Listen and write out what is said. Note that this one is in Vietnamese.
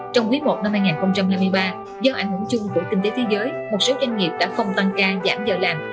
trong quý i năm hai nghìn hai mươi ba do ảnh hưởng chung của kinh tế thế giới một số doanh nghiệp đã không tăng ca giảm giờ làm